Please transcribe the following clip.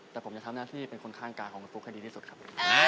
แต่ผมจะทำหน้าที่เป็นคนข้างกายของคุณปุ๊กให้ดีที่สุดครับ